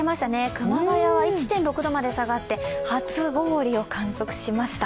熊谷は１．６度まで下がって初氷を観測しました。